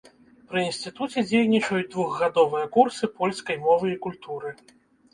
Пры інстытуце дзейнічаюць двухгадовыя курсы польскай мовы і культуры.